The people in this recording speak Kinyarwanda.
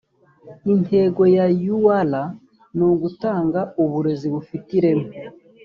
intego ya ur ni ugutanga uburezi bufite ireme